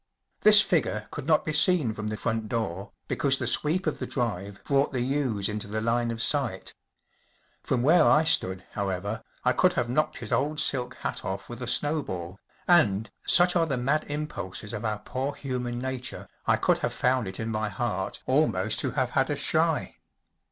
This figure could not be seen from the front door because the sweep of the drive brought the yews into the line of sight. From where I stood, however, I could have knocked his old silk hat off with a snowball, and, such are the mad impulses of our poor human nature, I could have found it in my heart almost to have had a shy.